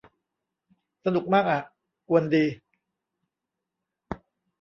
สนุกมากอะ กวนดี